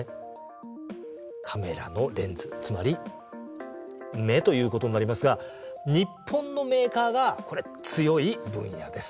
カメラのレンズつまり目ということになりますが日本のメーカーがこれ強い分野です。